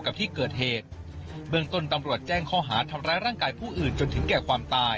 เบื้องต้นตำรวจแจ้งข้อหาทำร้ายร่างกายผู้อื่นจนถึงแก่ความตาย